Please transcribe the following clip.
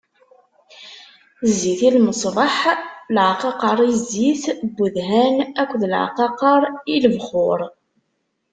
Zzit i lmeṣbaḥ, leɛqaqer i zzit n wedhan akked leɛqaqer i lebxuṛ.